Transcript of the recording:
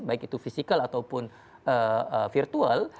baik itu fisikal ataupun virtual